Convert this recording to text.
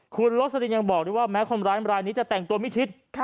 คุณลักษณีย์ยังบอกด้วยว่าแม้คนร้ายอำรานิจะแต่งตัวมิชิต